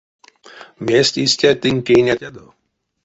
Мезть истя тынь тейнетядо?